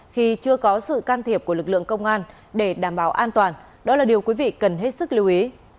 khi chưa có sự can thiệp của lực lượng công an để đảm bảo an toàn đó là điều quý vị cần hết sức lưu ý